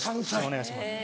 お願いします。